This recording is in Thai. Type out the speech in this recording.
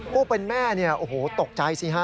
พูดเป็นแม่โอ้โหตกใจสิฮะ